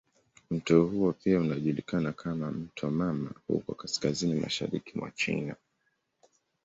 Mto huo pia unajulikana kama "mto mama" huko kaskazini mashariki mwa China.